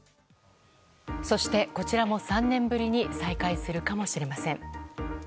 そして、こちらも３年ぶりに再開するかもしれません。